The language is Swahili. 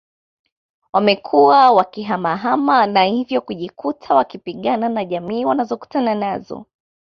Wamekuwa wakihamahama na hivyo kujikuta wakipigana na jamii wanazokutana nazo